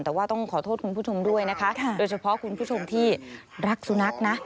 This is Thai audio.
แต่ว่าต้องขอโทษคุณผู้ชมด้วยนะคะโดยเฉพาะคุณผู้ชมที่รักสุนัขนะ